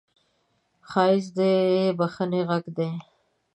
ښایست د بښنې غږ دی